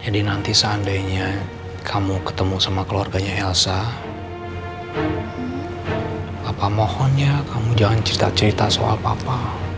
jadi nanti seandainya kamu ketemu sama keluarganya elsa papa mohon ya kamu jangan cerita cerita soal papa